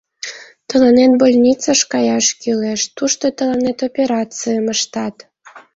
Тыланет больницыш каяш кӱлеш, тушто тыланет операцийым ыштат.